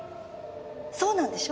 そうなんでしょ？